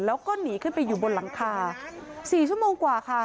แล้วก็หนีขึ้นไปอยู่บนหลังคา๔ชั่วโมงกว่าค่ะ